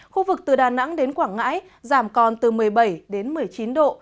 khu vực từ đà nẵng đến quảng ngãi giảm còn từ một mươi bảy đến một mươi chín độ